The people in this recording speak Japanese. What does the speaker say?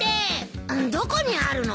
どこにあるの？